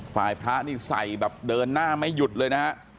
ฝ่ายพระนี่ใส่แบบเดินหน้าไม่หยุดเลยนะฮะ